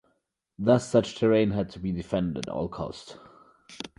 Thus such terrain had to be defended at all cost.